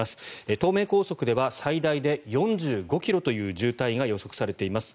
東名高速では最大で４５ｋｍという渋滞が予測されています。